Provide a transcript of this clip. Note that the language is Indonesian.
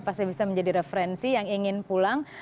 pasti bisa menjadi referensi yang ingin pulang